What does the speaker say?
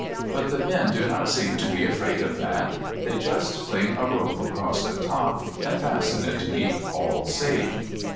But the men do not seem to be afraid of that. They just fling a rope across the top and fasten it to keep all safe.